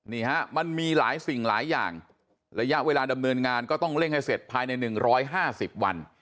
นี่ฮะมันมีหลายสิ่งหลายอย่างระยะเวลาดำเนินงานก็ต้องเร่งให้เสร็จภายใน๑๕๐วัน